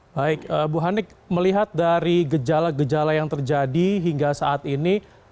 baik bu hanik melihat dari gejala gejala yang terjadi hingga saat ini